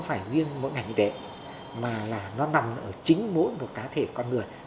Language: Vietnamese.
phải riêng mỗi ngành y tế mà là nó nằm ở chính mỗi một cá thể con người